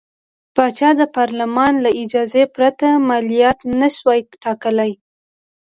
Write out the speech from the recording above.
پاچا د پارلمان له اجازې پرته مالیات نه شوای ټاکلی.